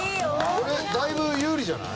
これだいぶ有利じゃない？